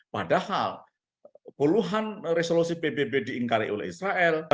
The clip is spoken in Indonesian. padahal puluhan resolusi pbb diingkari oleh israel